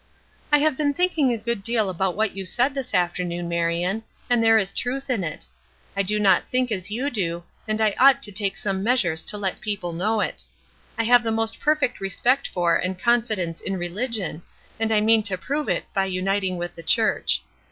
"I have been thinking a good deal about what you said this afternoon, Marion, and there is truth in it. I do not think as you do, and I ought to take some measures to let people know it. I have the most perfect respect for and confidence in religion, and I mean to prove it by uniting with the church.